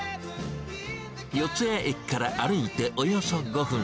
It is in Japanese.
四ツ谷駅から歩いておよそ５分。